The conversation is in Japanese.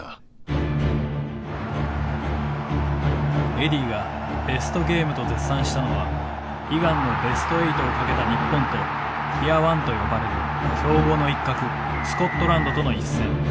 エディーがベストゲームと絶賛したのは悲願のベスト８をかけた日本と「ティア・ワン」と呼ばれる強豪の一角スコットランドとの一戦。